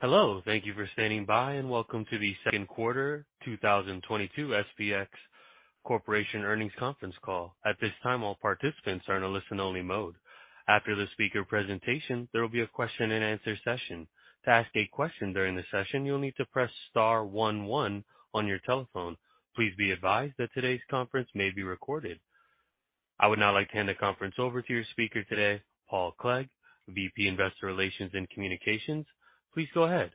Hello, thank you for standing by, and welcome to the second quarter 2022 SPX Technologies earnings conference call. At this time, all participants are in a listen only mode. After the speaker presentation, there will be a question-and-answer session. To ask a question during the session, you'll need to press star one one your telephone. Please be advised that today's conference may be recorded. I would now like to hand the conference over to your speaker today, Paul Clegg, VP, Investor Relations and Communications. Please go ahead.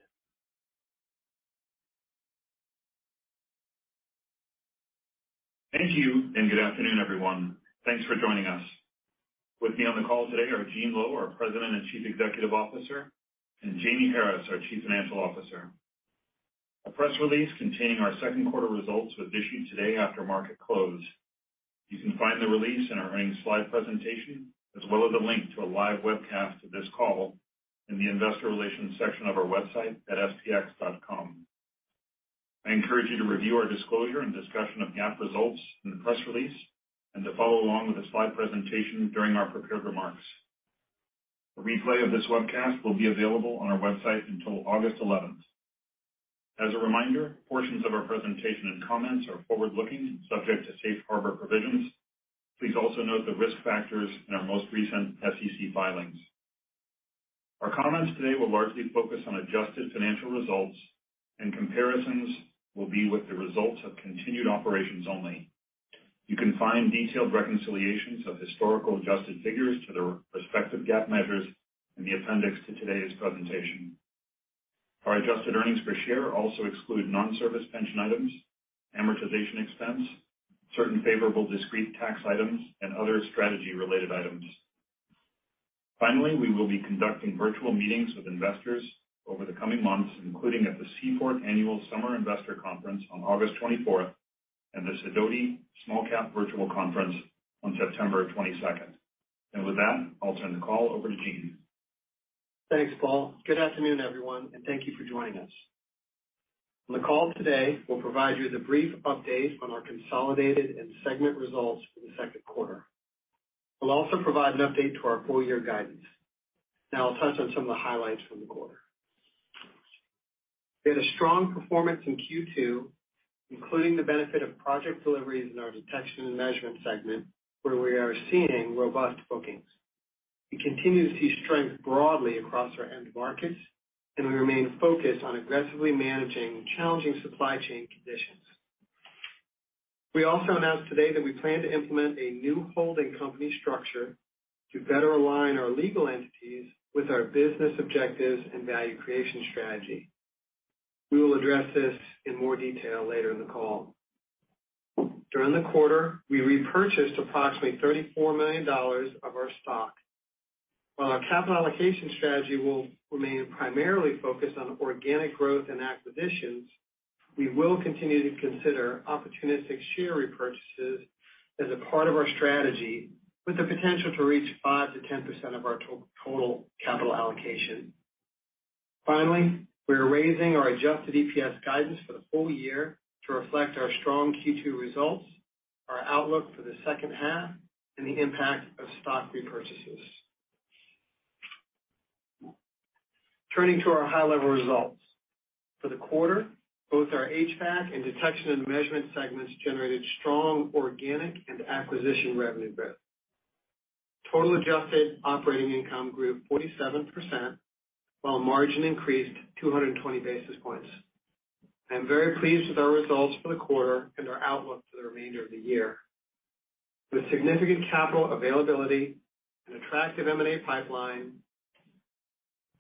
Thank you, and good afternoon, everyone. Thanks for joining us. With me on the call today are Gene Lowe, our President and Chief Executive Officer, and Jamie Harris, our Chief Financial Officer. A press release containing our second quarter results was issued today after market close. You can find the release in our earnings slide presentation, as well as a link to a live webcast of this call in the investor relations section of our website at spx.com. I encourage you to review our disclosure and discussion of GAAP results in the press release and to follow along with the slide presentation during our prepared remarks. A replay of this webcast will be available on our website until August 11th. As a reminder, portions of our presentation and comments are forward-looking, subject to Safe Harbor provisions. Please also note the risk factors in our most recent SEC filings. Our comments today will largely focus on adjusted financial results, and comparisons will be with the results of continued operations only. You can find detailed reconciliations of historical adjusted figures to their respective GAAP measures in the appendix to today's presentation. Our adjusted earnings per share also exclude non-service pension items, amortization expense, certain favorable discrete tax items, and other strategy-related items. Finally, we will be conducting virtual meetings with investors over the coming months, including at the Seaport Research Partners Annual Summer Investor Conference on August 24th and the Sidoti Small-Cap Virtual Conference on September 22nd. With that, I'll turn the call over to Gene. Thanks, Paul. Good afternoon, everyone, and thank you for joining us. On the call today, we'll provide you the brief updates on our consolidated and segment results for the second quarter. We'll also provide an update to our full year guidance. Now I'll touch on some of the highlights from the quarter. We had a strong performance in Q2, including the benefit of project deliveries in our detection and measurement segment, where we are seeing robust bookings. We continue to see strength broadly across our end markets, and we remain focused on aggressively managing challenging supply chain conditions. We also announced today that we plan to implement a new holding company structure to better align our legal entities with our business objectives and value creation strategy. We will address this in more detail later in the call. During the quarter, we repurchased approximately $34 million of our stock. While our capital allocation strategy will remain primarily focused on organic growth and acquisitions, we will continue to consider opportunistic share repurchases as a part of our strategy with the potential to reach 5%-10% of our total capital allocation. Finally, we are raising our adjusted EPS guidance for the full year to reflect our strong Q2 results, our outlook for the second half, and the impact of stock repurchases. Turning to our high-level results. For the quarter, both our HVAC and detection and measurement segments generated strong organic and acquisition revenue growth. Total adjusted operating income grew 47%, while margin increased 220 basis points. I am very pleased with our results for the quarter and our outlook for the remainder of the year. With significant capital availability, an attractive M&A pipeline,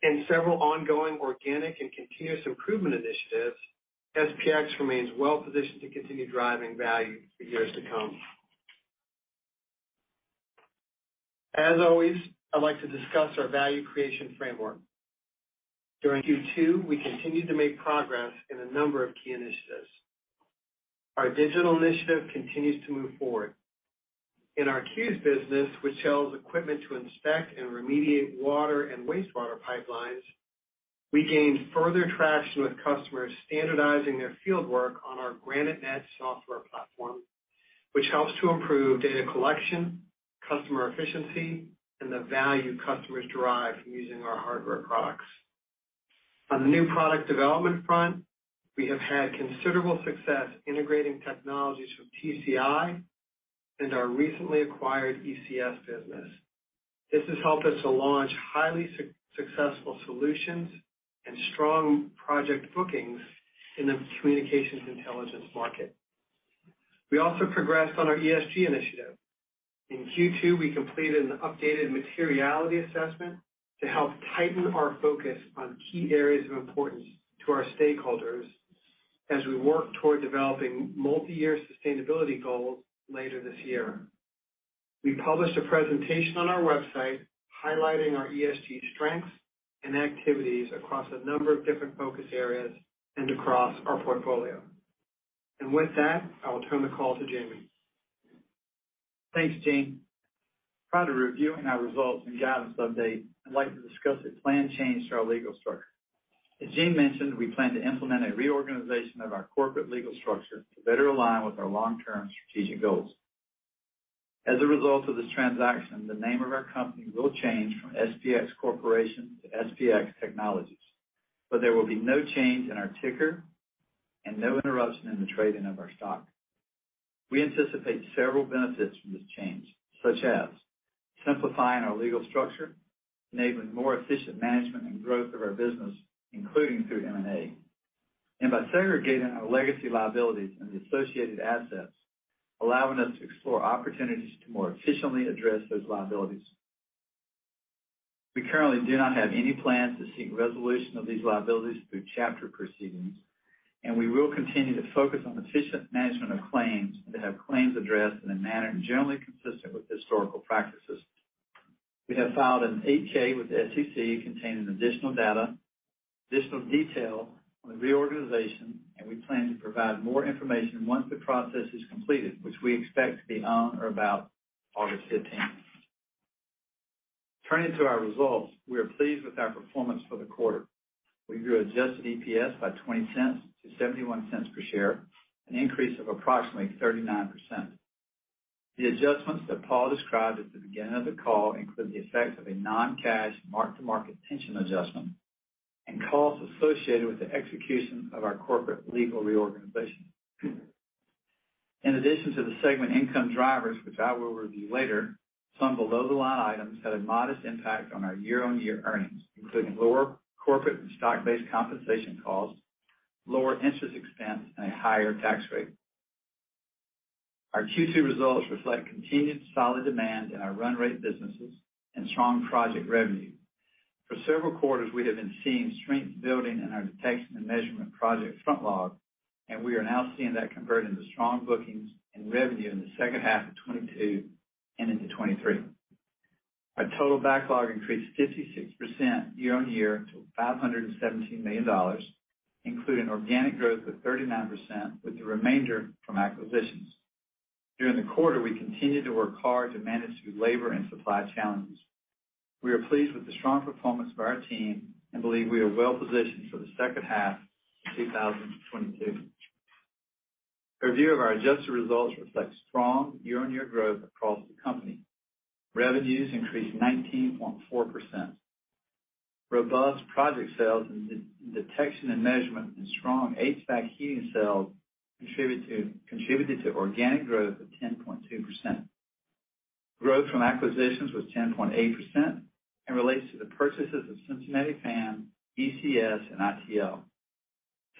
and several ongoing organic and continuous improvement initiatives, SPX remains well positioned to continue driving value for years to come. As always, I'd like to discuss our value creation framework. During Q2, we continued to make progress in a number of key initiatives. Our digital initiative continues to move forward. In our CUES business, which sells equipment to inspect and remediate water and wastewater pipelines, we gained further traction with customers standardizing their fieldwork on our GraniteNet software platform, which helps to improve data collection, customer efficiency, and the value customers derive from using our hardware products. On the new product development front, we have had considerable success integrating technologies from TCI and our recently acquired ECS business. This has helped us to launch highly successful solutions and strong project bookings in the communications intelligence market. We also progressed on our ESG initiative. In Q2, we completed an updated materiality assessment to help tighten our focus on key areas of importance to our stakeholders as we work toward developing multi-year sustainability goals later this year. We published a presentation on our website highlighting our ESG strengths and activities across a number of different focus areas and across our portfolio. With that, I will turn the call to Jamie. Thanks, Gene. Prior to reviewing our results and guidance update, I'd like to discuss a planned change to our legal structure. As Gene mentioned, we plan to implement a reorganization of our corporate legal structure to better align with our long-term strategic goals. As a result of this transaction, the name of our company will change from SPX Corporation to SPX Technologies. There will be no change in our ticker and no interruption in the trading of our stock. We anticipate several benefits from this change, such as simplifying our legal structure, enabling more efficient management and growth of our business, including through M&A. By segregating our legacy liabilities and the associated assets, allowing us to explore opportunities to more efficiently address those liabilities. We currently do not have any plans to seek resolution of these liabilities through chapter proceedings, and we will continue to focus on efficient management of claims and to have claims addressed in a manner generally consistent with historical practices. We have filed an 8-K with the SEC containing additional detail on the reorganization, and we plan to provide more information once the process is completed, which we expect to be on or about August 15th. Turning to our results, we are pleased with our performance for the quarter. We grew adjusted EPS by $0.20 to $0.71 per share, an increase of approximately 39%. The adjustments that Paul described at the beginning of the call include the effect of a non-cash mark-to-market pension adjustment and costs associated with the execution of our corporate legal reorganization. In addition to the segment income drivers, which I will review later, some below-the-line items had a modest impact on our year-on-year earnings, including lower corporate and stock-based compensation costs, lower interest expense, and a higher tax rate. Our Q2 results reflect continued solid demand in our run rate businesses and strong project revenue. For several quarters, we have been seeing strength building in our detection and measurement project front log, and we are now seeing that convert into strong bookings and revenue in the second half of 2022 and into 2023. Our total backlog increased 56% year-on-year to $517 million, including organic growth of 39% with the remainder from acquisitions. During the quarter, we continued to work hard to manage through labor and supply challenges. We are pleased with the strong performance of our team and believe we are well positioned for the second half of 2022. A review of our adjusted results reflects strong year-on-year growth across the company. Revenues increased 19.4%. Robust project sales in Detection and Measurement and strong HVAC heating sales contributed to organic growth of 10.2%. Growth from acquisitions was 10.8% and relates to the purchases of Cincinnati Fan, ECS, and ITL.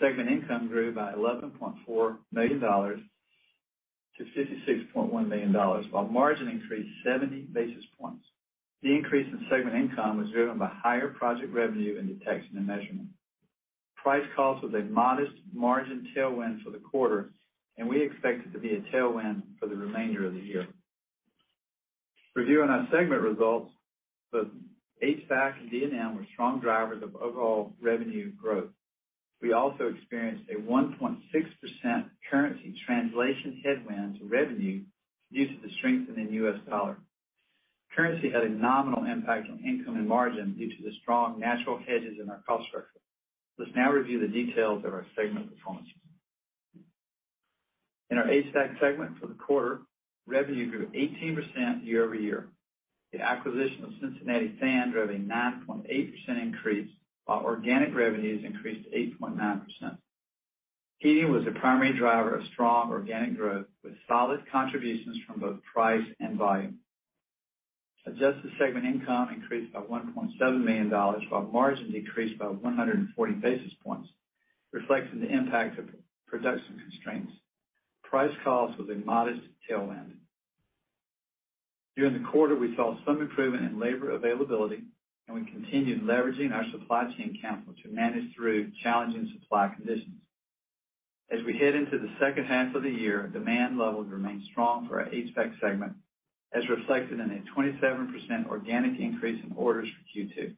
Segment income grew by $11.4 million-$56.1 million while margin increased 70 basis points. The increase in segment income was driven by higher project revenue in Detection and Measurement. Price/cost was a modest margin tailwind for the quarter, and we expect it to be a tailwind for the remainder of the year. Reviewing our segment results, the HVAC and D&M were strong drivers of overall revenue growth. We also experienced a 1.6% currency translation headwind to revenue due to the strengthening U.S. dollar. Currency had a nominal impact on income and margin due to the strong natural hedges in our cost structure. Let's now review the details of our segment performance. In our HVAC segment for the quarter, revenue grew 18% year-over-year. The acquisition of Cincinnati Fan drove a 9.8% increase, while organic revenues increased 8.9%. Heating was the primary driver of strong organic growth with solid contributions from both price and volume. Adjusted segment income increased by $1.7 million while margin decreased by 140 basis points, reflecting the impact of production constraints. Price/cost was a modest tailwind. During the quarter, we saw some improvement in labor availability, and we continued leveraging our supply chain council to manage through challenging supply conditions. As we head into the second half of the year, demand levels remain strong for our HVAC segment, as reflected in a 27% organic increase in orders for Q2.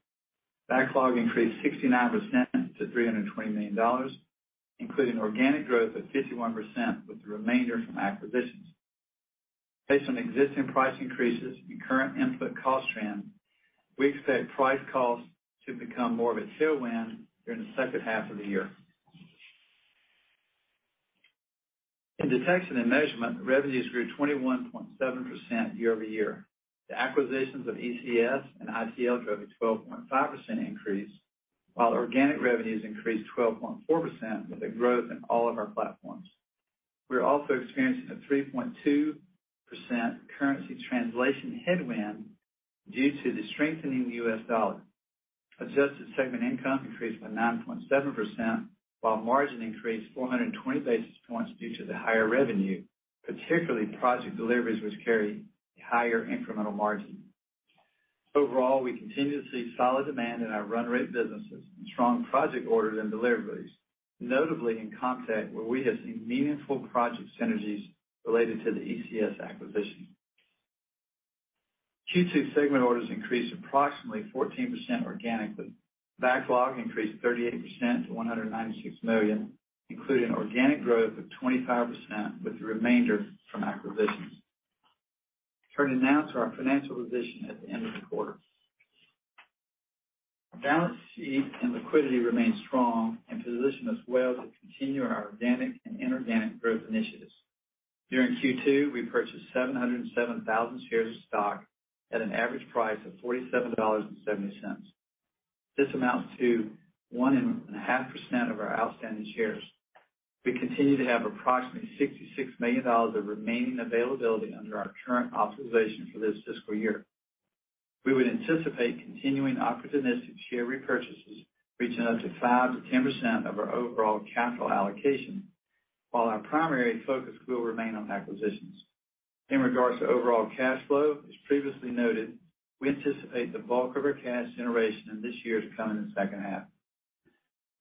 Backlog increased 69% to $320 million, including organic growth of 51% with the remainder from acquisitions. Based on existing price increases and current input cost trends, we expect price calls to become more of a tailwind during the second half of the year. In Detection and Measurement, revenues grew 21.7% year-over-year. The acquisitions of ECS and ITL drove a 12.5% increase, while organic revenues increased 12.4% with a growth in all of our platforms. We are also experiencing a 3.2% currency translation headwind due to the strengthening U.S. dollar. Adjusted segment income increased by 9.7% while margin increased 420 basis points due to the higher revenue, particularly project deliveries which carry a higher incremental margin. Overall, we continue to see solid demand in our run rate businesses and strong project orders and deliveries, notably in CommTech, where we have seen meaningful project synergies related to the ECS acquisition. Q2 segment orders increased approximately 14% organically. Backlog increased 38% to $196 million, including organic growth of 25% with the remainder from acquisitions. Turning now to our financial position at the end of the quarter. Our balance sheet and liquidity remains strong and position us well to continue our organic and inorganic growth initiatives. During Q2, we purchased 707,000 shares of stock at an average price of $47.70. This amounts to 1.5% of our outstanding shares. We continue to have approximately $66 million of remaining availability under our current authorization for this fiscal year. We would anticipate continuing opportunistic share repurchases reaching up to 5%-10% of our overall capital allocation, while our primary focus will remain on acquisitions. In regards to overall cash flow, as previously noted, we anticipate the bulk of our cash generation in this year to come in the second half.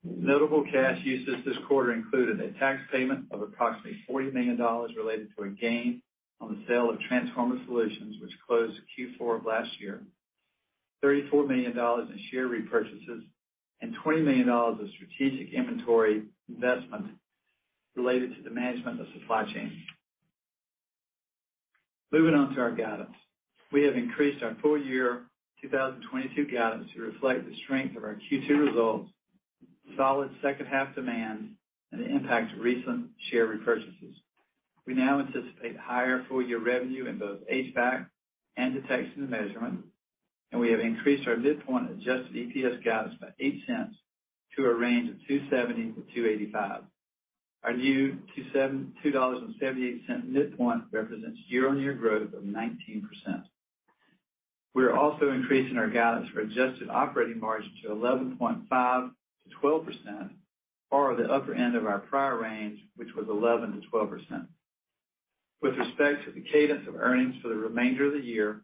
Notable cash uses this quarter included a tax payment of approximately $40 million related to a gain on the sale of Transformer Solutions, which closed Q4 of last year, $34 million in share repurchases, and $20 million of strategic inventory investment related to the management of supply chain. Moving on to our guidance. We have increased our full-year 2022 guidance to reflect the strength of our Q2 results, solid second half demand, and the impact of recent share repurchases. We now anticipate higher full-year revenue in both HVAC and Detection and Measurement, and we have increased our midpoint adjusted EPS guidance by $0.08 to a range of $2.70-$2.85. Our new $2.78 midpoint represents year-on-year growth of 19%. We are also increasing our guidance for adjusted operating margin to 11.5%-12%, or the upper end of our prior range, which was 11%-12%. With respect to the cadence of earnings for the remainder of the year,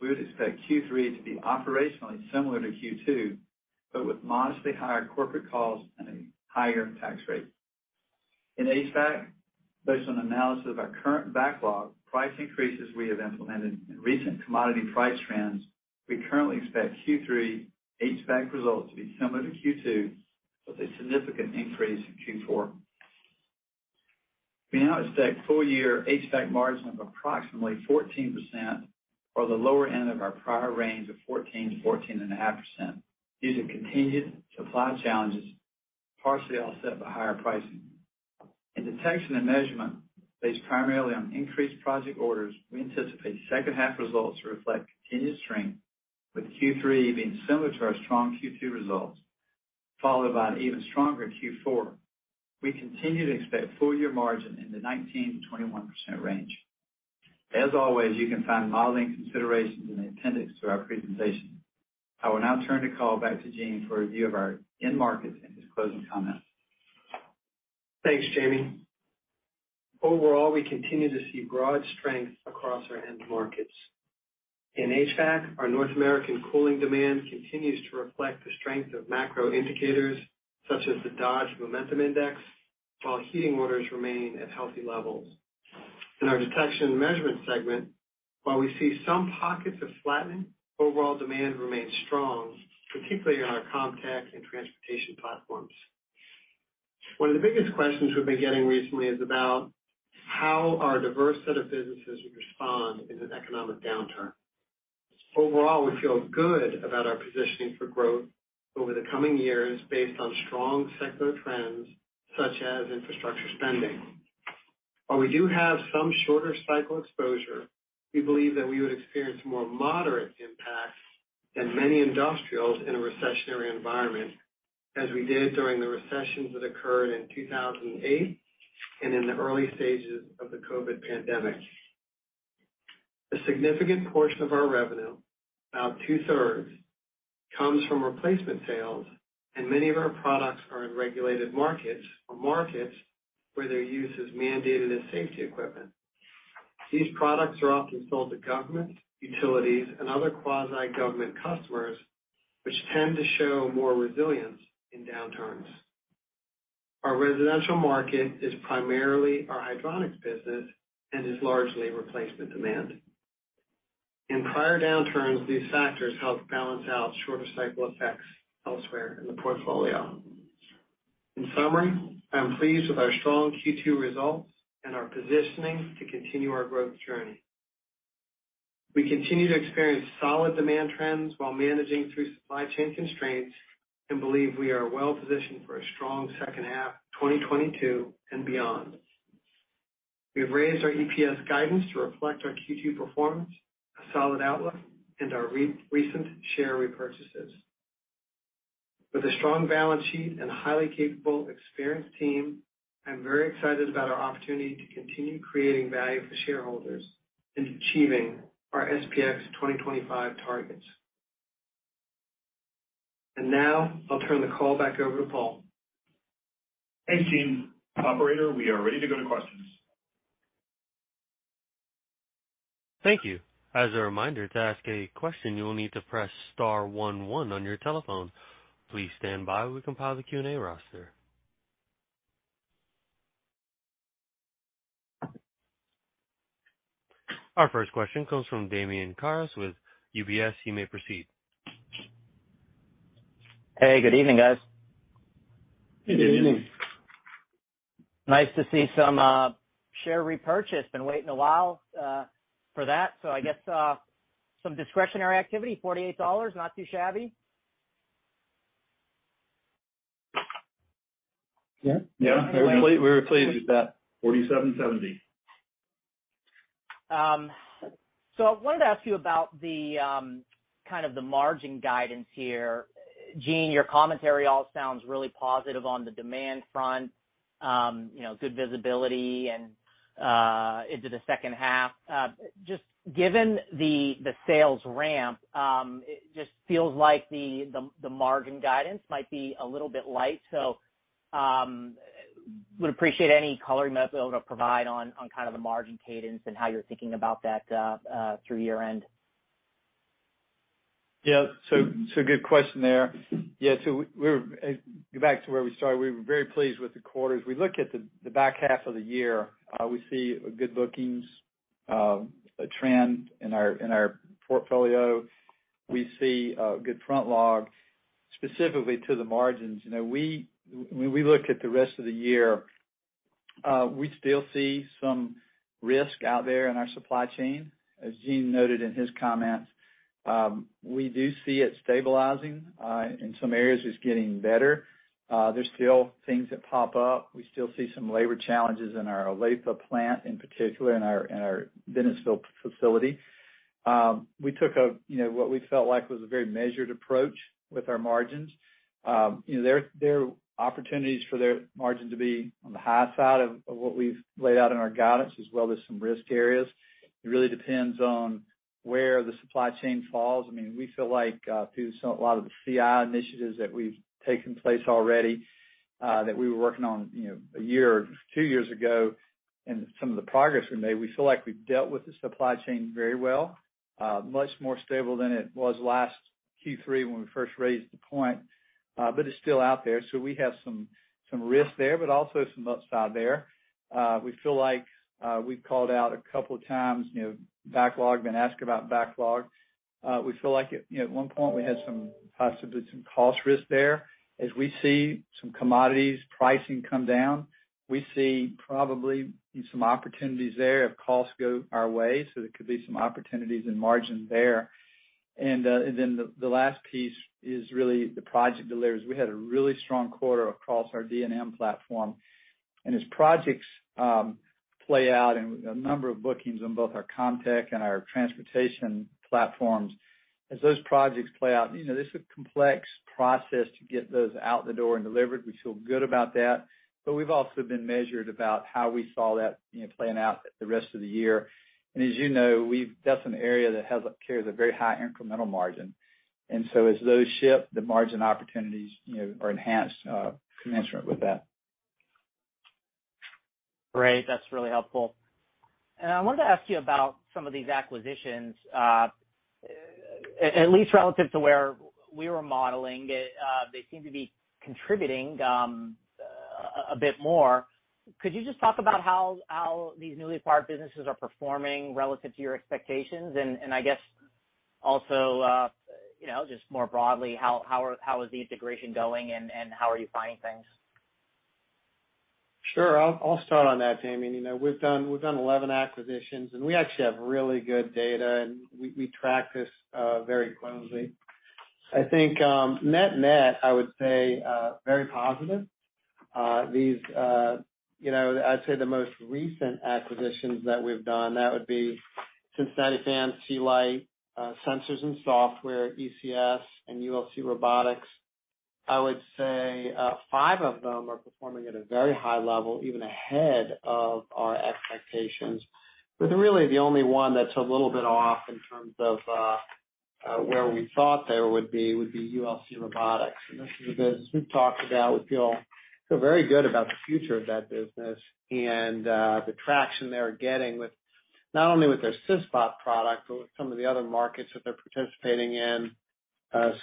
we would expect Q3 to be operationally similar to Q2, but with modestly higher corporate calls and a higher tax rate. In HVAC, based on analysis of our current backlog, price increases we have implemented, and recent commodity price trends, we currently expect Q3 HVAC results to be similar to Q2, with a significant increase in Q4. We now expect full year HVAC margin of approximately 14% or the lower end of our prior range of 14%-14.5% due to continued supply challenges, partially offset by higher pricing. In Detection and Measurement, based primarily on increased project orders, we anticipate second half results to reflect continued strength, with Q3 being similar to our strong Q2 results, followed by an even stronger Q4. We continue to expect full year margin in the 19%-21% range. As always, you can find modeling considerations in the appendix to our presentation. I will now turn the call back to Gene for a review of our end markets and his closing comments. Thanks, Jamie. Overall, we continue to see broad strength across our end markets. In HVAC, our North American cooling demand continues to reflect the strength of macro indicators such as the Dodge Momentum Index, while heating orders remain at healthy levels. In our Detection and Measurement segment, while we see some pockets of flattening, overall demand remains strong, particularly in our CommTech and transportation platforms. One of the biggest questions we've been getting recently is about how our diverse set of businesses would respond in an economic downturn. Overall, we feel good about our positioning for growth over the coming years based on strong secular trends such as infrastructure spending. While we do have some shorter cycle exposure, we believe that we would experience more moderate impacts than many industrials in a recessionary environment, as we did during the recessions that occurred in 2008 and in the early stages of the COVID pandemic. A significant portion of our revenue, about 2/3, comes from replacement sales, and many of our products are in regulated markets or markets where their use is mandated as safety equipment. These products are often sold to government, utilities, and other quasi-government customers, which tend to show more resilience in downturns. Our residential market is primarily our hydronics business and is largely replacement demand. In prior downturns, these factors helped balance out shorter cycle effects elsewhere in the portfolio. In summary, I am pleased with our strong Q2 results and our positioning to continue our growth journey. We continue to experience solid demand trends while managing through supply chain constraints, and believe we are well positioned for a strong second half 2022 and beyond. We have raised our EPS guidance to reflect our Q2 performance, a solid outlook, and our recent share repurchases. With a strong balance sheet and a highly capable, experienced team, I'm very excited about our opportunity to continue creating value for shareholders in achieving our SPX 2025 targets. Now, I'll turn the call back over to Paul. Thanks, Gene. Operator, we are ready to go to questions. Thank you. As a reminder, to ask a question, you will need to press star one one on your telephone. Please stand by while we compile the Q&A roster. Our first question comes from Damian Karas with UBS. You may proceed. Hey, good evening, guys. Good evening. Nice to see some share repurchase. Been waiting a while for that. I guess some discretionary activity, $48, not too shabby. Yeah. Yeah. We were pleased with that. $47.70 I wanted to ask you about the kind of margin guidance here. Gene, your commentary all sounds really positive on the demand front. You know, good visibility and into the second half. Just given the sales ramp, it just feels like the margin guidance might be a little bit light. Would appreciate any coloring that you'll be able to provide on kind of the margin cadence and how you're thinking about that through year-end. Good question there. We're back to where we started, we were very pleased with the quarter. As we look at the back half of the year, we see good bookings, a trend in our portfolio. We see good backlog specifically to the margins. You know, when we look at the rest of the year, we still see some risk out there in our supply chain. As Gene noted in his comments, we do see it stabilizing, in some areas it's getting better. There's still things that pop up. We still see some labor challenges in our Olathe plant, in particular in our Dennisville facility. We took, you know, what we felt like was a very measured approach with our margins. You know, there are opportunities for their margin to be on the high side of what we've laid out in our guidance, as well as some risk areas. It really depends on where the supply chain falls. I mean, we feel like through so a lot of the CI initiatives that have taken place already, that we were working on, you know, a year or two years ago and some of the progress we made, we feel like we've dealt with the supply chain very well, much more stable than it was last Q3 when we first raised the point. It's still out there. We have some risk there, but also some upside there. We feel like we've called out a couple of times, you know, backlog. Been asked about backlog. We feel like at one point we had some possible cost risk there. As we see some commodities pricing come down, we see probably some opportunities there if costs go our way. There could be some opportunities in margin there. Then the last piece is really the project deliveries. We had a really strong quarter across our D&M platform. As projects play out and a number of bookings on both our CommTech and our transportation platforms, as those projects play out, you know, this is a complex process to get those out the door and delivered. We feel good about that, but we've also been measured about how we saw that, you know, playing out the rest of the year. As you know, that's an area that carries a very high incremental margin. As those ship the margin opportunities, you know, are enhanced, commensurate with that. Great. That's really helpful. I wanted to ask you about some of these acquisitions. At least relative to where we were modeling, they seem to be contributing a bit more. Could you just talk about how these newly acquired businesses are performing relative to your expectations? I guess also, you know, just more broadly, how is the integration going and how are you finding things? Sure. I'll start on that, Damian. You know, we've done 11 acquisitions, and we actually have really good data, and we track this very closely. I think, net-net, I would say very positive. These, you know, I'd say the most recent acquisitions that we've done, that would be Cincinnati Fan, Sealite, Sensors & Software, ECS, and ULC Robotics. I would say five of them are performing at a very high level, even ahead of our expectations. But really the only one that's a little bit off in terms of where we thought they would be would be ULC Robotics. This is a business we've talked about. We feel very good about the future of that business and the traction they're getting with not only their CISBOT product, but with some of the other markets that they're participating in,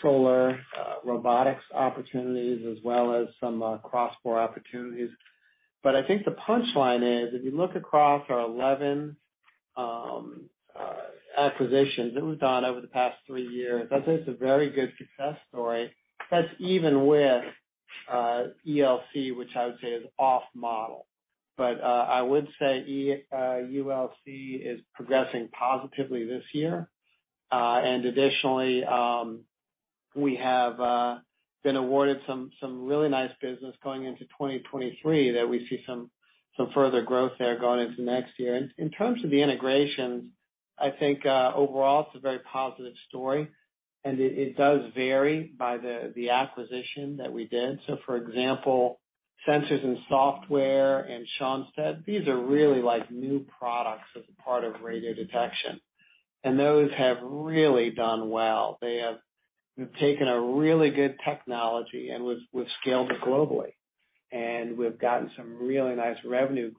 solar, robotics opportunities as well as some cross border opportunities. I think the punchline is, if you look across our 11 acquisitions that we've done over the past three years, that's a very good success story. That's even with ULC, which I would say is off model. I would say ULC is progressing positively this year. We have been awarded some really nice business going into 2023 that we see some further growth there going into next year. In terms of the integrations, I think, overall it's a very positive story, and it does vary by the acquisition that we did. For example, Sensors & Software, and as he said, these are really like new products as a part of Radiodetection, and those have really done well. They have taken a really good technology and we've scaled it globally. We've gotten some really nice revenue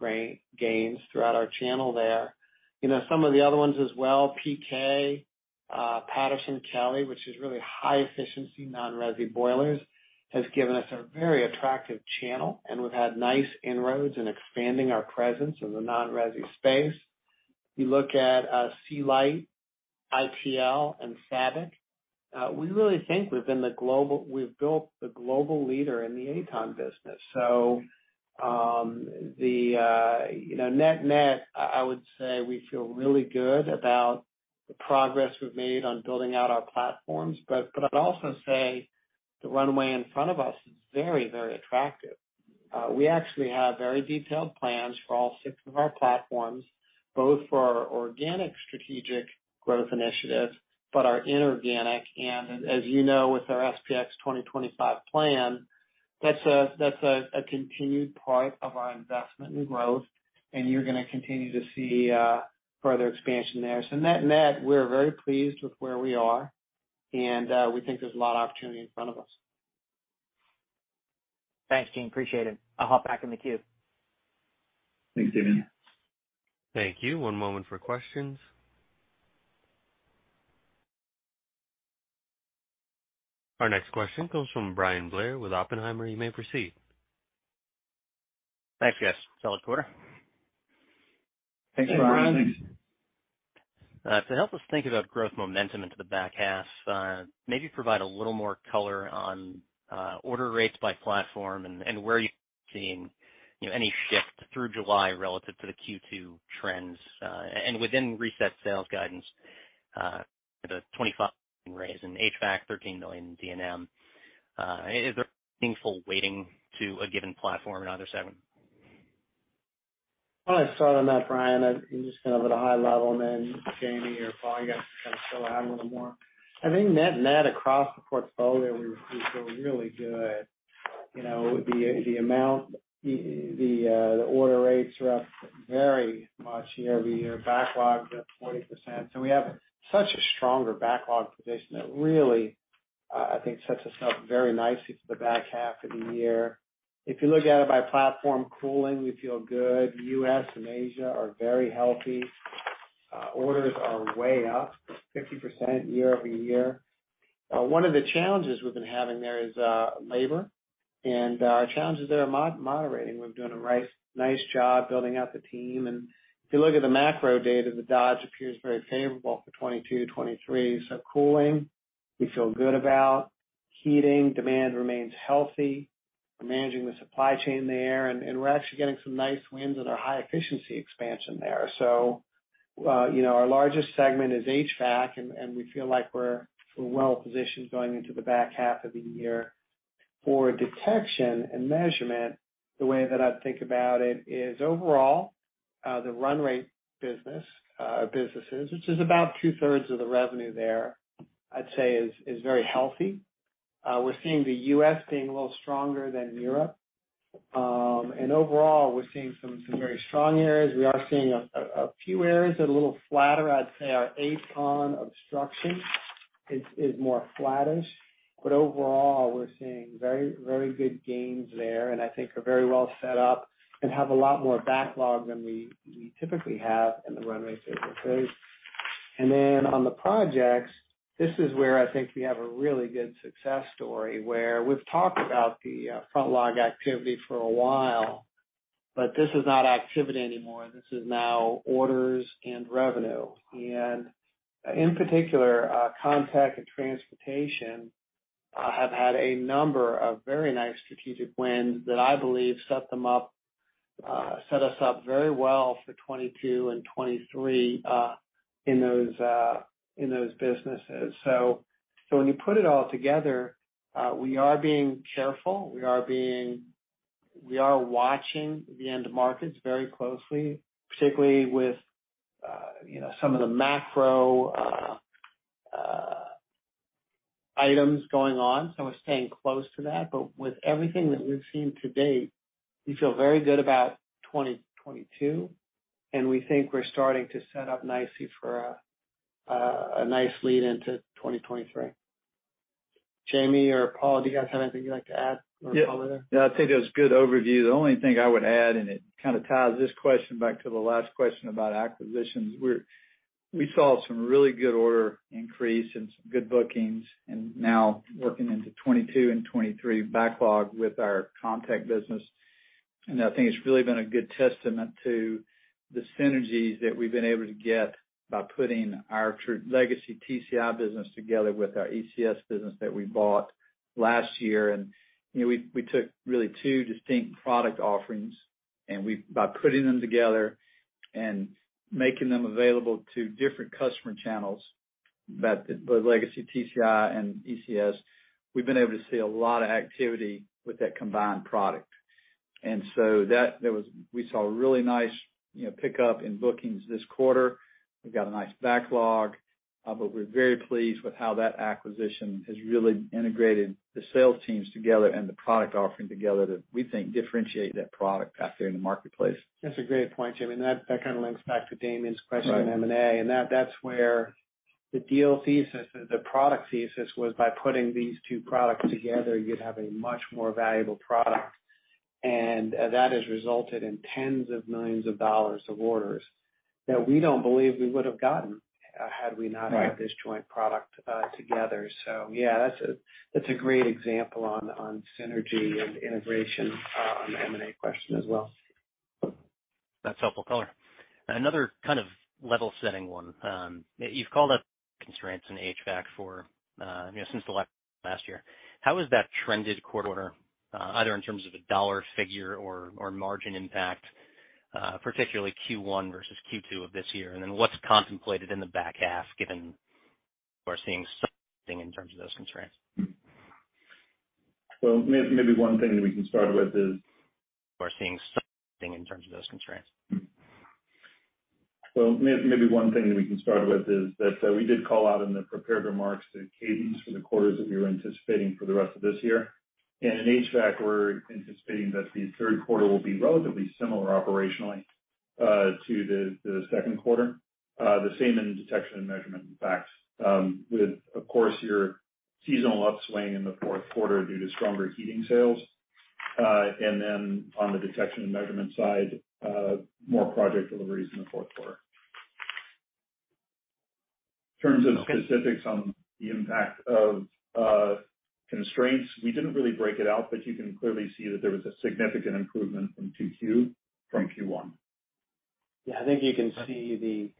gains throughout our channel there. You know, some of the other ones as well, PK, Patterson-Kelley, which is really high efficiency non-resi boilers, has given us a very attractive channel, and we've had nice inroads in expanding our presence in the non-resi space. You look at Sealite, ITL and Sabik, we really think we've built the global leader in the AtoN business. You know, net-net, I would say we feel really good about the progress we've made on building out our platforms. I'd also say the runway in front of us is very, very attractive. We actually have very detailed plans for all six of our platforms, both for our organic strategic growth initiatives, but our inorganic. As you know, with our SPX 2025 plan, that's a continued part of our investment in growth, and you're gonna continue to see further expansion there. Net-net, we're very pleased with where we are, and we think there's a lot of opportunity in front of us. Thanks, team. Appreciate it. I'll hop back in the queue. Thanks, Damian. Thank you. One moment for questions. Our next question comes from Bryan Blair with Oppenheimer. You may proceed. Thanks, guys. Solid quarter. Thanks, Bryan. Thanks. To help us think about growth momentum into the back half, maybe provide a little more color on order rates by platform and where you're seeing, you know, any shift through July relative to the Q2 trends, and within reset sales guidance, the $25 million raise in HVAC, $13 million in D&M. Is there meaningful weighting to a given platform in either segment? I'll start on that, Brian. Just kind of at a high level, and then Jamie or Paul, you guys can kind of fill it out a little more. I think net-net, across the portfolio, we feel really good. You know, the amount, the order rates are up very much year-over-year. Backlog's up 40%. We have such a stronger backlog position that really, I think sets us up very nicely for the back half of the year. If you look at it by platform cooling, we feel good. U.S. and Asia are very healthy. Orders are way up, 50% year-over-year. One of the challenges we've been having there is labor, and our challenges there are moderating. We've done a nice job building out the team. If you look at the macro data, the Dodge appears very favorable for 2022, 2023. Cooling, we feel good about. Heating demand remains healthy. We're managing the supply chain there, and we're actually getting some nice wins on our high efficiency expansion there. Our largest segment is HVAC, and we feel like we're well positioned going into the back half of the year. For Detection and Measurement, the way that I think about it is overall, the run rate businesses, which is about 2/3 of the revenue there, I'd say is very healthy. We're seeing the U.S. being a little stronger than Europe. And overall, we're seeing some very strong areas. We are seeing a few areas that are a little flatter. I'd say our AtoN obstruction is more flattish. Overall, we're seeing very, very good gains there, and I think we are very well set up and have a lot more backlog than we typically have in the runway surface space. Then on the projects, this is where I think we have a really good success story where we've talked about the front log activity for a while, but this is not activity anymore. This is now orders and revenue. In particular, contact and transportation have had a number of very nice strategic wins that I believe set them up, set us up very well for 2022 and 2023 in those businesses. When you put it all together, we are being careful. We are being. We are watching the end markets very closely, particularly with, you know, some of the macro items going on, so we're staying close to that. With everything that we've seen to date, we feel very good about 2022, and we think we're starting to set up nicely for a nice lead into 2023. Jamie or Paul, do you guys have anything you'd like to add or comment on? Yeah. I think that was a good overview. The only thing I would add, it kinda ties this question back to the last question about acquisitions. We saw some really good order increase and some good bookings and now working into 2022 and 2023 backlog with our CommTech business. I think it's really been a good testament to the synergies that we've been able to get by putting our legacy TCI business together with our ECS business that we bought last year. You know, we took really two distinct product offerings, by putting them together and making them available to different customer channels, that the legacy TCI and ECS, we've been able to see a lot of activity with that combined product. We saw a really nice, you know, pickup in bookings this quarter. We've got a nice backlog, but we're very pleased with how that acquisition has really integrated the sales teams together and the product offering together that we think differentiate that product out there in the marketplace. That's a great point, Jamie. That kind of links back to Damian's question on M&A. Right. That's where the deal thesis or the product thesis was by putting these two products together, you'd have a much more valuable product. That has resulted in tens of millions of dollars of orders that we don't believe we would have gotten. Had we not had this joint product together. Yeah, that's a great example on synergy and integration on the M&A question as well. That's helpful color. Another kind of level-setting one. You've called out constraints in HVAC for, you know, since last year. How has that trended quarter-over-quarter, either in terms of a dollar figure or margin impact, particularly Q1 versus Q2 of this year? Then what's contemplated in the back half given we're seeing something in terms of those constraints? Well, maybe one thing that we can start with is. We're seeing something in terms of those constraints. Well, maybe one thing that we can start with is that we did call out in the prepared remarks the cadence for the quarters that we were anticipating for the rest of this year. In HVAC, we're anticipating that the third quarter will be relatively similar operationally to the second quarter. The same in detection and measurement impacts, with, of course, your seasonal upswing in the fourth quarter due to stronger heating sales. Then on the detection and measurement side, more project deliveries in the fourth quarter. In terms of specifics on the impact of constraints, we didn't really break it out, but you can clearly see that there was a significant improvement from 2Q from Q1. Yeah, I think you can see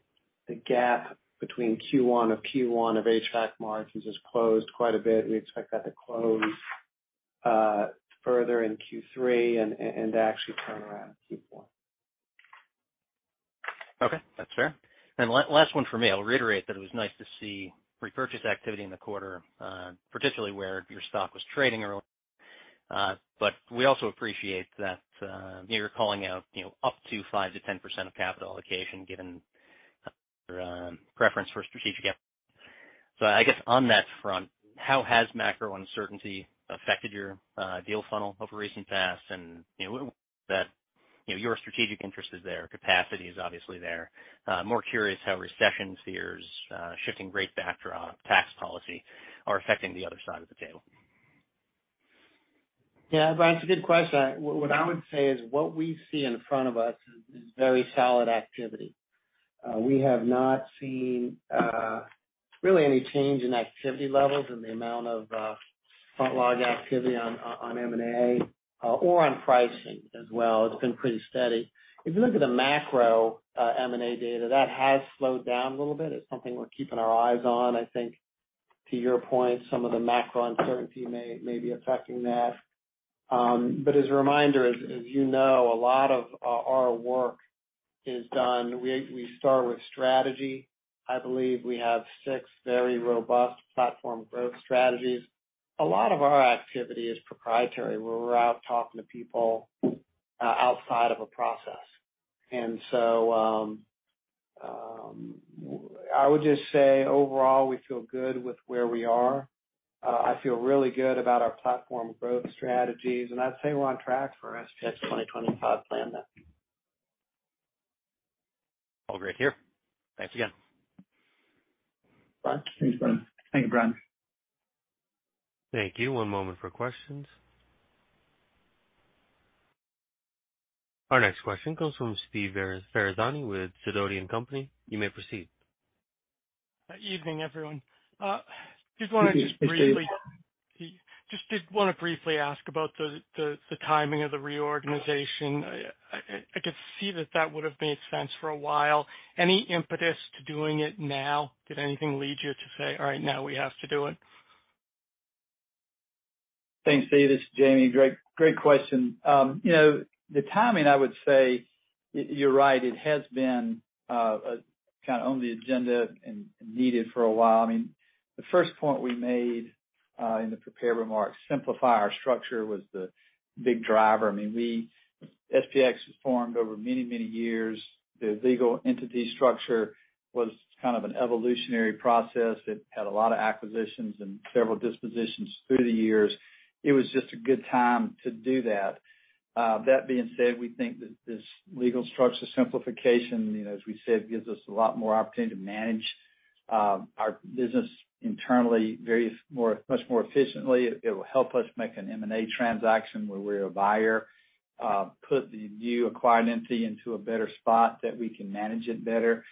the gap between Q1 of HVAC margins has closed quite a bit. We expect that to close further in Q3 and to actually turn around in Q4. Okay. That's fair. Last one for me. I'll reiterate that it was nice to see repurchase activity in the quarter, particularly where your stock was trading earlier. But we also appreciate that, you know, you're calling out, you know, up to 5%-10% of capital allocation given your preference for strategic effort. I guess on that front, how has macro uncertainty affected your deal funnel over recent past? You know, that your strategic interest is there, capacity is obviously there. More curious how recession fears, shifting rate backdrop, tax policy, are affecting the other side of the table. Yeah. Bryan, it's a good question. What I would say is what we see in front of us is very solid activity. We have not seen really any change in activity levels and the amount of front log activity on M&A or on pricing as well. It's been pretty steady. If you look at the macro M&A data, that has slowed down a little bit. It's something we're keeping our eyes on. I think to your point, some of the macro uncertainty may be affecting that. As a reminder, as you know, a lot of our work is done. We start with strategy. I believe we have six very robust platform growth strategies. A lot of our activity is proprietary, where we're out talking to people outside of a process. I would just say overall, we feel good with where we are. I feel really good about our platform growth strategies, and I'd say we're on track for our SPX 2025 plan. All great to hear. Thanks again. Bye. Thanks, Bryan. Thank you, Bryan. Thank you. One moment for questions. Our next question comes from Steve Ferazani with Sidoti & Company. You may proceed. Evening, everyone. Just wanna briefly Hey, Steve. Just wanted to briefly ask about the timing of the reorganization. I could see that would have made sense for a while. Any impetus to doing it now? Did anything lead you to say, All right, now we have to do it? Thanks, Steve. This is Jamie. Great question. You know, the timing, I would say you're right, it has been kinda on the agenda and needed for a while. I mean, the first point we made in the prepared remarks, simplify our structure, was the big driver. I mean, SPX was formed over many years. The legal entity structure was kind of an evolutionary process. It had a lot of acquisitions and several dispositions through the years. It was just a good time to do that. That being said, we think that this legal structure simplification, you know, as we said, gives us a lot more opportunity to manage our business internally much more efficiently. It will help us make an M&A transaction where we're a buyer, put the new acquired entity into a better spot that we can manage it better.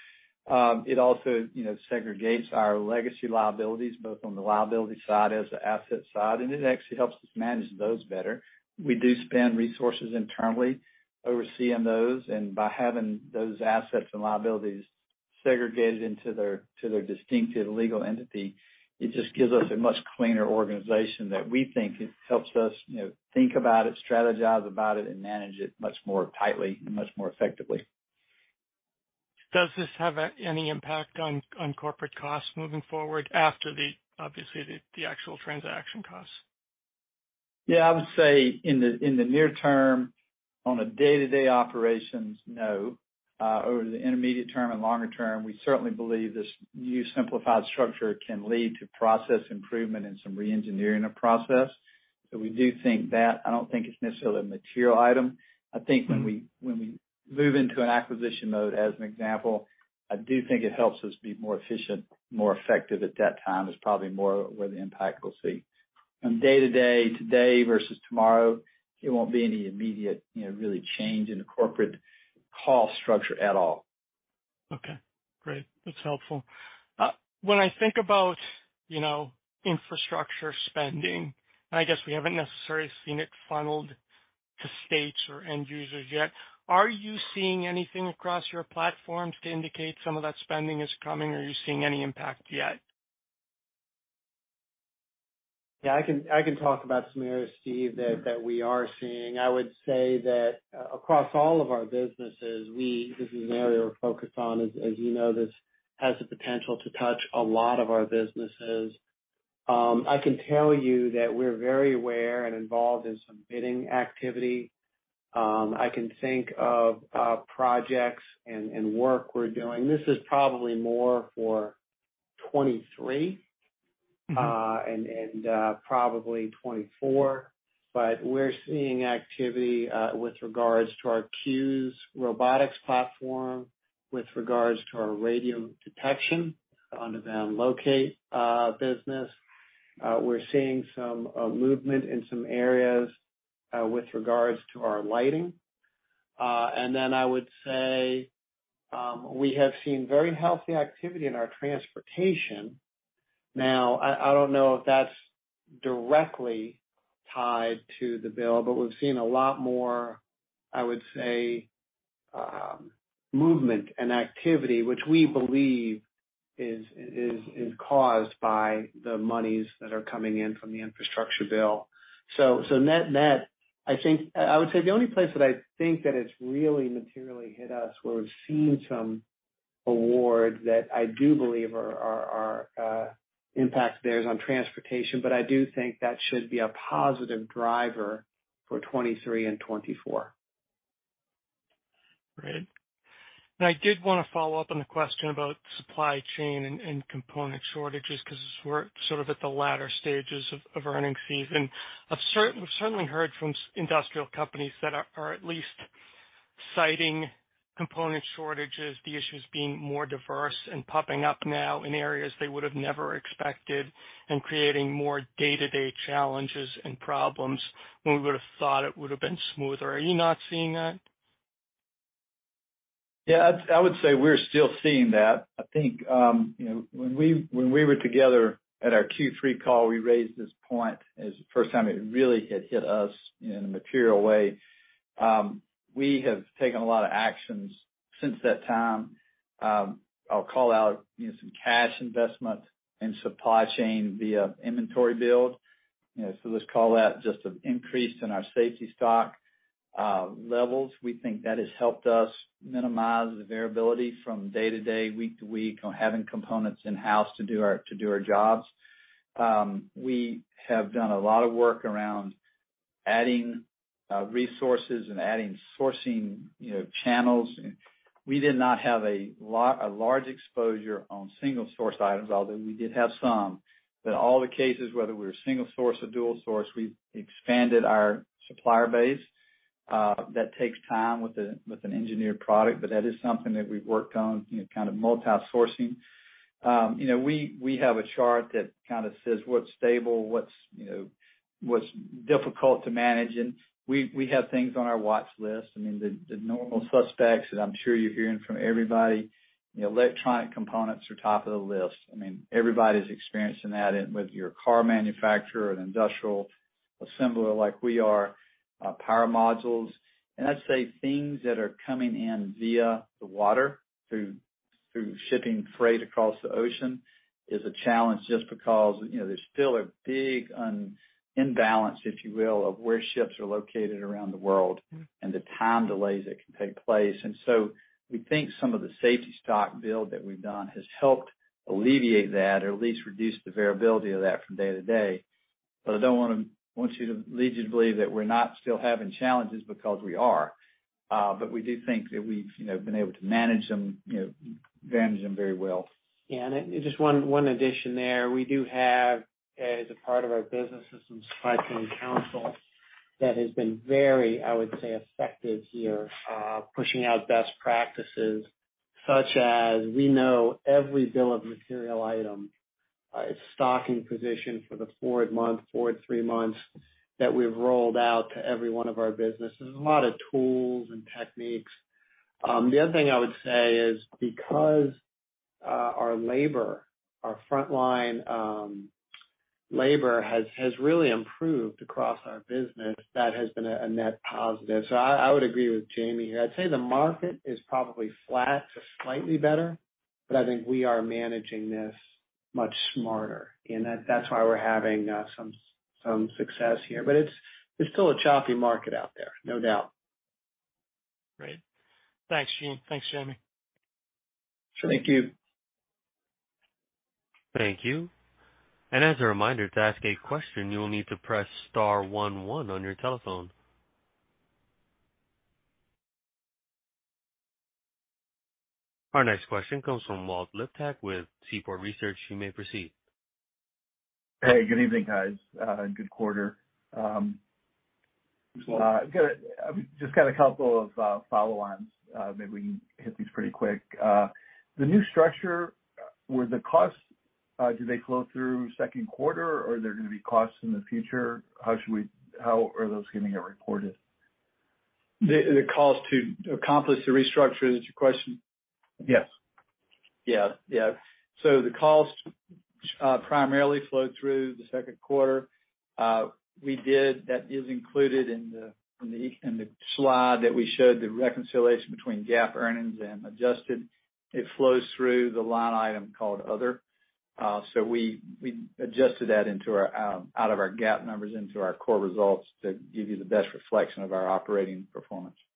It also, you know, segregates our legacy liabilities, both on the liability side, and the asset side, and it actually helps us manage those better. We do spend resources internally overseeing those, and by having those assets and liabilities segregated into to their distinctive legal entity, it just gives us a much cleaner organization that we think it helps us, you know, think about it, strategize about it, and manage it much more tightly and much more effectively. Does this have any impact on corporate costs moving forward after the, obviously, the actual transaction costs? Yeah. I would say in the near term, on a day-to-day operations, no. Over the intermediate term and longer term, we certainly believe this new simplified structure can lead to process improvement and some re-engineering of process. We do think that. I don't think it's necessarily a material item. I think when we move into an acquisition mode, as an example, I do think it helps us be more efficient. More effective at that time is probably more where the impact we'll see. From day-to-day, today versus tomorrow, it won't be any immediate, you know, really change in the corporate cost structure at all. Okay, great. That's helpful. When I think about, you know, infrastructure spending, and I guess we haven't necessarily seen it funneled to states or end users yet, are you seeing anything across your platforms to indicate some of that spending is coming? Are you seeing any impact yet? Yeah, I can talk about some areas, Steve, that we are seeing. I would say that across all of our businesses, this is an area we're focused on. As you know, this has the potential to touch a lot of our businesses. I can tell you that we're very aware and involved in some bidding activity. I can think of projects and work we're doing. This is probably more for 2023. Mm-hmm. Probably 2024. We're seeing activity with regards to our CUES robotics platform, with regards to our Radiodetection under the locate business. We're seeing some movement in some areas with regards to our lighting. I would say we have seen very healthy activity in our transportation. Now, I don't know if that's directly tied to the bill, but we've seen a lot more, I would say, movement and activity, which we believe is caused by the monies that are coming in from the infrastructure bill. Net, I think I would say the only place that I think that it's really materially hit us, where we've seen some awards that I do believe are impacted there is on transportation. I do think that should be a positive driver for 2023 and 2024. Great. I did wanna follow up on the question about supply chain and component shortages, 'cause we're sort of at the latter stages of earnings season. I've certainly heard from industrial companies that are at least citing component shortages, the issues being more diverse and popping up now in areas they would have never expected and creating more day-to-day challenges and problems, when we would've thought it would've been smoother. Are you not seeing that? Yeah, I would say we're still seeing that. I think, you know, when we were together at our Q3 call, we raised this point as the first time it really had hit us in a material way. We have taken a lot of actions since that time. I'll call out, you know, some cash investment in supply chain via inventory build. You know, so let's call that just an increase in our safety stock levels. We think that has helped us minimize the variability from day to day, week to week on having components in-house to do our jobs. We have done a lot of work around adding resources and adding sourcing, you know, channels. We did not have a large exposure on single source items, although we did have some. All the cases, whether we were single source or dual source, we expanded our supplier base. That takes time with an engineered product, but that is something that we've worked on, you know, kind of multi-sourcing. You know, we have a chart that kinda says what's stable, what's difficult to manage, and we have things on our watch list. I mean, the normal suspects that I'm sure you're hearing from everybody, the electronic components are top of the list. I mean, everybody's experiencing that whether you're a car manufacturer, an industrial assembler like we are, power modules. I'd say things that are coming in via the water through shipping freight across the ocean is a challenge just because, you know, there's still a big imbalance, if you will, of where ships are located around the world. Mm-hmm. The time delays that can take place. We think some of the safety stock build that we've done has helped alleviate that or at least reduce the variability of that from day-to-day. I don't want to lead you to believe that we're not still having challenges because we are. We do think that we've, you know, been able to manage them, you know, very well. Just one addition there. We do have, as a part of our business systems supply chain council that has been very, I would say, effective here, pushing out best practices such as we know every bill of material item, its stocking position for the forward month, forward three months, that we've rolled out to every one of our businesses, and a lot of tools and techniques. The other thing I would say is, because our labor, our frontline labor has really improved across our business, that has been a net positive. I would agree with Jamie here. I'd say the market is probably flat to slightly better, but I think we are managing this much smarter and that's why we're having some success here. It's still a choppy market out there, no doubt. Great. Thanks, Gene. Thanks, Jamie. Sure. Thank you. Thank you. As a reminder, to ask a question, you will need to press star one one on your telephone. Our next question comes from Walt Liptak with Seaport Research. You may proceed. Hey, good evening, guys. Good quarter. Just got a couple of follow-ons. Maybe we can hit these pretty quick. The new structure, were the costs do they flow through second quarter, or are there gonna be costs in the future? How are those gonna get reported? The costs to accomplish the restructure, is that your question? Yes. Yeah. The costs primarily flowed through the second quarter. That is included in the slide that we showed the reconciliation between GAAP earnings and adjusted. It flows through the line item called other. We adjusted that into our out of our GAAP numbers into our core results to give you the best reflection of our operating performance. Okay.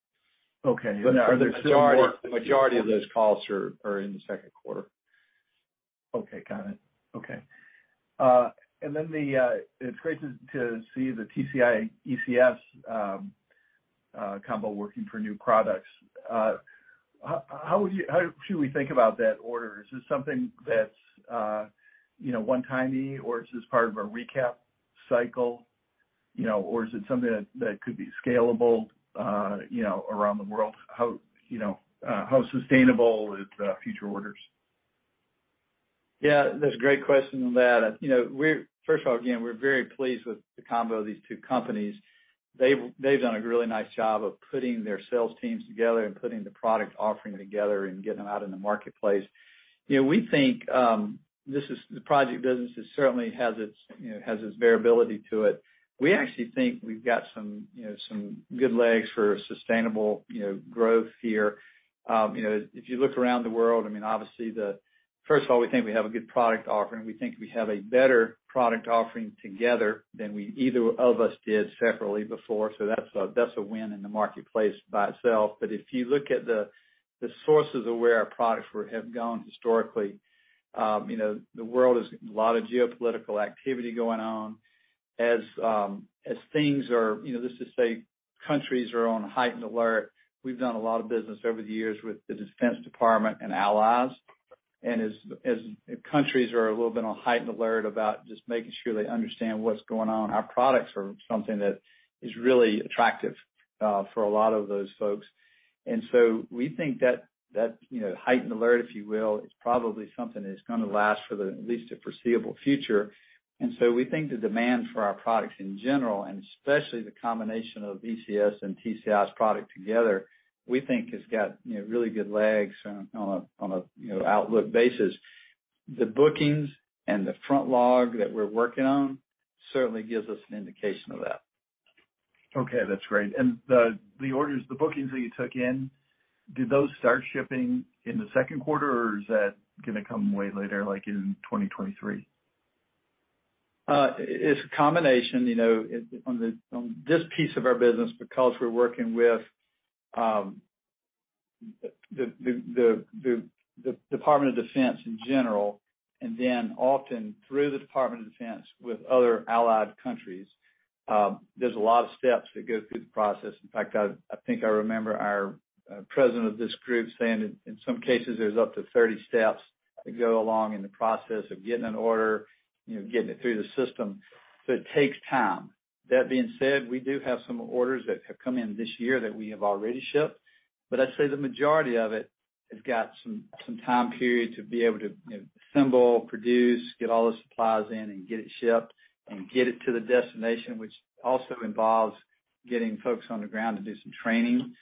The majority of those costs are in the second quarter. Okay. Got it. Okay. It's great to see the TCI and ECS combo working for new products. How should we think about that order? Is this something that's, you know, one-timey or is this part of a recap cycle? You know, or is it something that could be scalable, you know, around the world? How sustainable is the future orders? Yeah, that's a great question on that. You know, first of all, again, we're very pleased with the combo of these two companies. They've done a really nice job of putting their sales teams together and putting the product offering together and getting them out in the marketplace. You know, we think this is the project business. It certainly has its, you know, variability to it. We actually think we've got some, you know, good legs for sustainable, you know, growth here. You know, if you look around the world, I mean, obviously. First of all, we think we have a good product offering. We think we have a better product offering together than we either of us did separately before, so that's a win in the marketplace by itself. If you look at the sources of where our products have gone historically, you know, the world has a lot of geopolitical activity going on. As things are, you know, let's just say countries are on heightened alert, we've done a lot of business over the years with the Department of Defense and allies. And as countries are a little bit on heightened alert about just making sure they understand what's going on, our products are something that is really attractive for a lot of those folks. And so we think that, you know, heightened alert, if you will, is probably something that's gonna last for at least the foreseeable future. We think the demand for our products in general, and especially the combination of ECS and TCI's product together, we think has got, you know, really good legs on a, you know, outlook basis. The bookings and the backlog that we're working on certainly gives us an indication of that. Okay, that's great. The orders, the bookings that you took in, did those start shipping in the second quarter, or is that gonna come way later, like in 2023? It's a combination, you know, on this piece of our business, because we're working with the Department of Defense in general, and then often through the Department of Defense with other allied countries. There's a lot of steps that go through the process. In fact, I think I remember our President of this group saying in some cases there's up to 30 steps that go along in the process of getting an order, you know, getting it through the system. It takes time. That being said, we do have some orders that have come in this year that we have already shipped, but I'd say the majority of it has got some time period to be able to, you know, assemble, produce, get all the supplies in and get it shipped and get it to the destination, which also involves getting folks on the ground to do some training.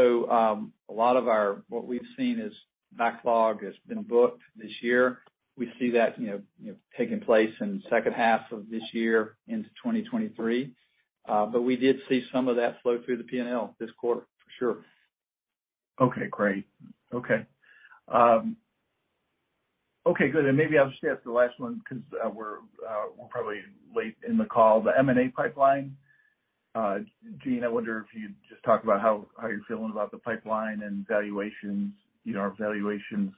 A lot of our, what we've seen as backlog has been booked this year. We see that, you know, taking place in second half of this year into 2023. We did see some of that flow through the P&L this quarter for sure. Maybe I'll just ask the last one because we're probably late in the call. The M&A pipeline, Gene, I wonder if you'd just talk about how you're feeling about the pipeline and valuations, you know, are valuations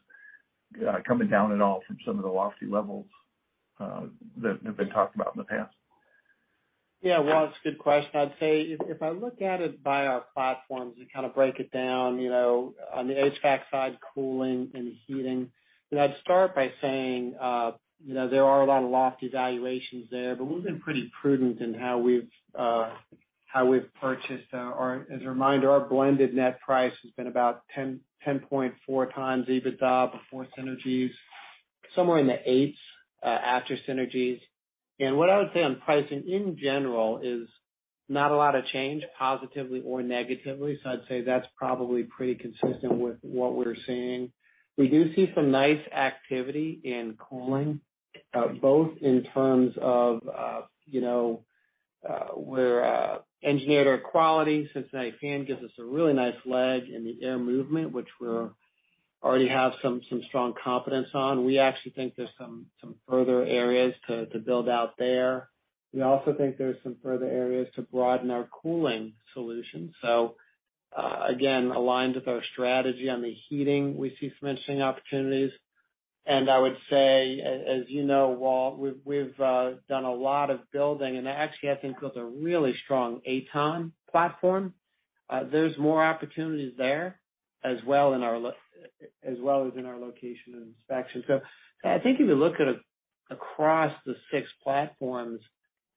coming down at all from some of the lofty levels that have been talked about in the past? Yeah, Walt, it's a good question. I'd say if I look at it by our platforms and kind of break it down, you know, on the HVAC side, cooling and heating, you know, I'd start by saying, you know, there are a lot of lofty valuations there, but we've been pretty prudent in how we've purchased. As a reminder, our blended net price has been about 10.4x EBITDA before synergies, somewhere in the eights after synergies. What I would say on pricing in general is not a lot of change positively or negatively. I'd say that's probably pretty consistent with what we're seeing. We do see some nice activity in cooling, both in terms of, you know, where engineered our quality Cincinnati Fan gives us a really nice leg in the air movement, already have some strong confidence on. We actually think there's some further areas to build out there. We also think there's some further areas to broaden our cooling solution. Again, aligned with our strategy on the heating, we see some interesting opportunities. I would say, as you know, Walt, we've done a lot of building and actually I think built a really strong AtoN platform. There's more opportunities there as well as in our location and inspection. I think if you look at across the six platforms,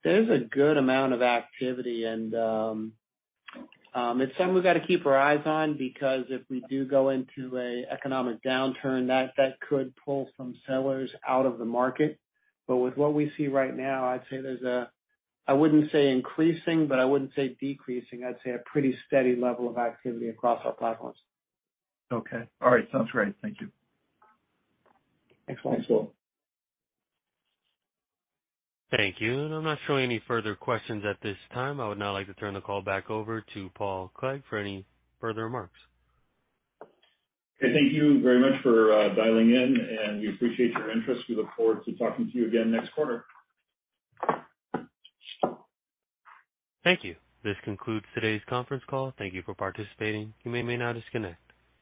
there's a good amount of activity and it's something we've got to keep our eyes on because if we do go into an economic downturn, that could pull some sellers out of the market. With what we see right now, I'd say there's. I wouldn't say increasing, but I wouldn't say decreasing. I'd say a pretty steady level of activity across our platforms. Okay. All right. Sounds great. Thank you. Excellent. Thank you. I'm not showing any further questions at this time. I would now like to turn the call back over to Paul Clegg for any further remarks. Okay. Thank you very much for dialing in, and we appreciate your interest. We look forward to talking to you again next quarter. Thank you. This concludes today's conference call. Thank you for participating. You may now disconnect.